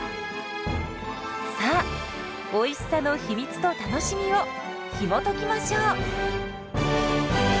さあおいしさの秘密と楽しみをひもときましょう！